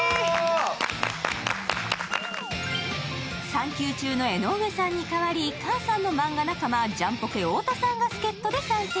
産休中の江上さんに代わり菅さんのマンガ仲間、ジャンポケ・太田さんが助っとで参戦。